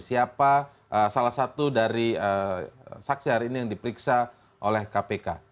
siapa salah satu dari saksi hari ini yang diperiksa oleh kpk